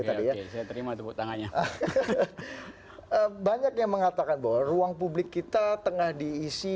tadi ya saya terima tepuk tangannya banyak yang mengatakan bahwa ruang publik kita tengah diisi